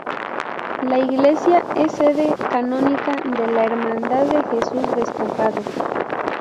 La iglesia es sede canónica de la Hermandad de Jesús Despojado.